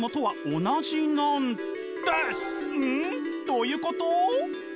どういうこと？